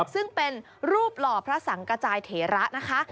ซึ่งเป็นรูปหล่อพระสังกระจายเถระนะคะ